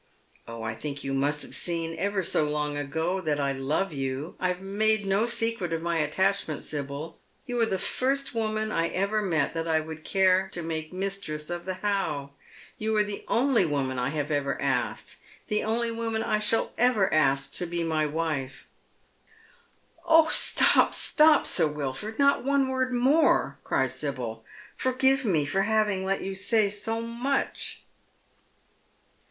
Oh, I think you must have seen ever so long ago that I love you. I have mode no secret of my attachment, Sibyl. You are the first woman I ever met that I would care to make mistress of the How — you are the only woman I ever have asked — the only woman I ever shall ask to be my wife." "Oh, stop, stop, Sir Wilford! Not one word more!" cries Sibyl, " Forgive me for having let you say so much."